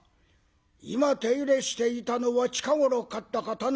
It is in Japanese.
「今手入れしていたのは近頃買った刀か？」。